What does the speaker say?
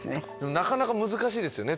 なかなか難しいですよね